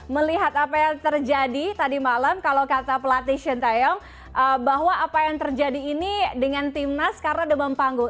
melihat apa yang terjadi tadi malam kalau kata pelatih shin taeyong bahwa apa yang terjadi ini dengan timnas karena demam panggung